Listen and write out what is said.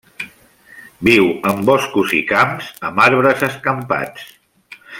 Viu en boscos i camps amb arbres escampats.